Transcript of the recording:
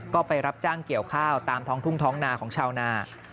ก็ไปรับจ้างเกี่ยวข้าวตามท้องทุ่งท้องนาของชาวนา